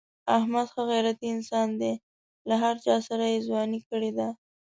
احمد ښه غیرتی انسان دی. له هر چاسره یې ځواني کړې ده.